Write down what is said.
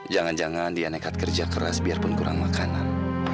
jangan jangan dia nekat kerja keras biarpun kurang makanan